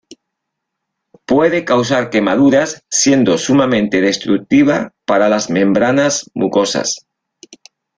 Puede causar quemaduras, siendo sumamente destructiva para las membranas mucosas.